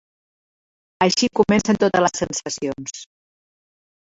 Així comencen totes les sensacions.